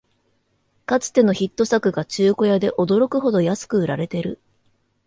かつてのヒット作が中古屋で驚くほど安く売られてる